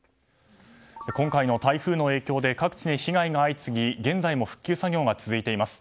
今回の台風の影響で各地に被害が相次ぎ現在も復旧作業が続いています。